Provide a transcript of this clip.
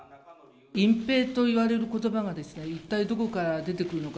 隠蔽といわれることばが、一体どこから出てくるのか。